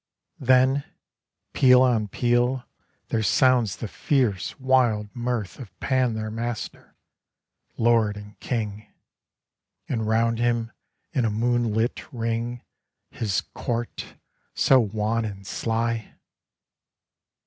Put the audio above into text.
Then, peal on peal, there sounds the fierce wild mirth Of Pan their master, lord and king, — And round him in a moonlit ring His court, so wan and sly